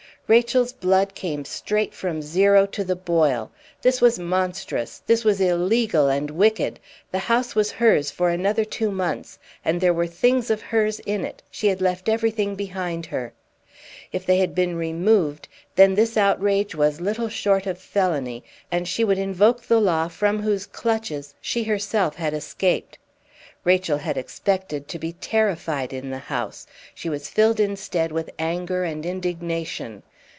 Rachel's blood came straight from zero to the boil; this was monstrous, this was illegal and wicked. The house was hers for other two months; and there were things of hers in it, she had left everything behind her. If they had been removed, then this outrage was little short of felony, and she would invoke the law from whose clutches she herself had escaped. Rachel had expected to be terrified in the house; she was filled insted with anger and indignation.